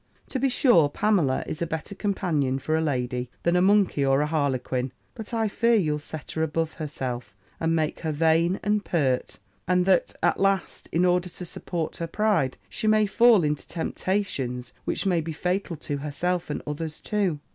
To be sure, Pamela is a better companion for a lady, than a monkey or a harlequin: but I fear you'll set her above herself, and make her vain and pert; and that, at last, in order to support her pride, she may fall into temptations which may be fatal to herself, and others too.'